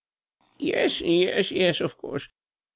"Yes, yes, yes; of course!